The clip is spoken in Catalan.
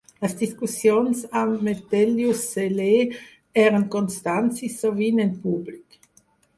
Les discussions amb Metellus Celer eren constants i, sovint, en públic.